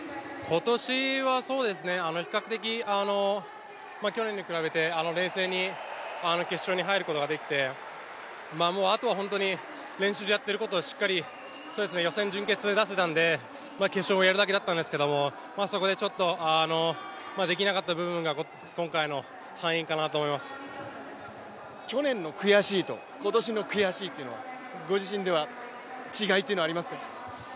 今年は比較的去年に比べて冷静に決勝に入ることができてもうあとは練習でやっていることをしっかり、予選・準決で出せたので、決勝をやるだけだったんですけど、そこでできなかった部分が去年の悔しいと今年の悔しいというのはご自身では違いはありますか？